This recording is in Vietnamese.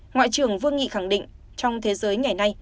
ngoại trưởng vương nghị khẳng định trong thế giới ngày nay